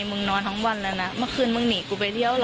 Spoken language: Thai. มึงนอนทั้งวันแล้วนะเมื่อคืนมึงหนีกูไปเที่ยวเหรอ